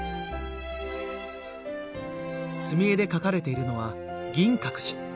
墨絵で描かれているのは銀閣寺。